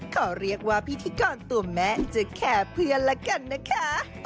ขอเรียกว่าพิธีกรตัวแม่จะแค่เพื่อนละกันนะคะ